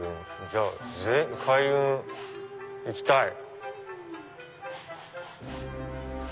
じゃあ開運行きたい。